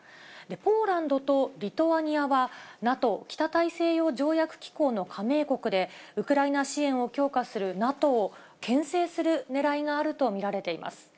ポーランドとリトアニアは、ＮＡＴＯ・北大西洋条約機構の加盟国で、ウクライナ支援を強化するＮＡＴＯをけん制するねらいがあると見られています。